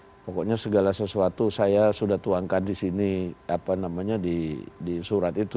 jadi pokoknya segala sesuatu saya sudah tuangkan di sini apa namanya di surat itu